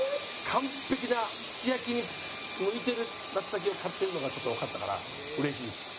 完璧なすき焼きに向いてる松茸を買ってるのがちょっとわかったから嬉しいです。